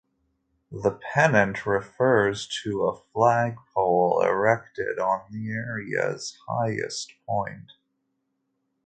The "Pennant" refers to a flag pole erected on the area's highest point.